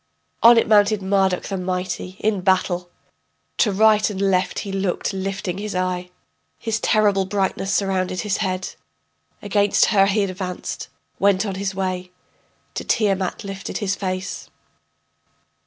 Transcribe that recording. On it mounted Marduk the mighty in battle. To right and left he looked, lifting his eye. His terrible brightness surrounded his head. Against her he advanced, went on his way, To Tiamat lifted his face.